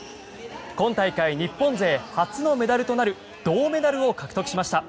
今大会、日本勢初のメダルとなる銅メダルを獲得しました。